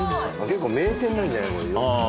結構名店なんじゃない？